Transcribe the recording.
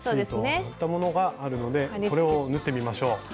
シートを貼ったものがあるのでこれを縫ってみましょう。